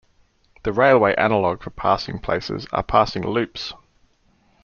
The railway analog for passing places are passing loops.